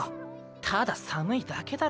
ただ寒いだけだろ。